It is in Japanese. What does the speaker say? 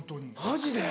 マジで？